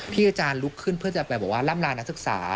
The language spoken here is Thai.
อาจารย์ลุกขึ้นเพื่อจะไปบอกว่าล่ำลานักศึกษา